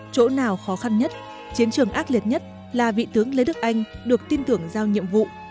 chỗ nào khó khăn nhất chiến trường ác liệt nhất là vị tướng lê đức anh được tin tưởng giao nhiệm vụ